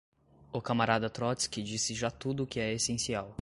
O camarada Trótski disse já tudo o que é essencial